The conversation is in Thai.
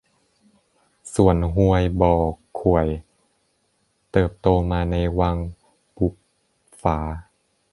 ส่วนฮวยบ่อข่วย เติบโตมาในวังบุปฝา